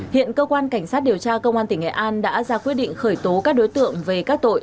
hiện cơ quan cảnh sát điều tra công an tỉnh nghệ an đã ra quyết định khởi tố các đối tượng về các tội